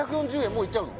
もういっちゃうの？